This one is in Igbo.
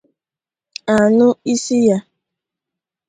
a nụ isi ya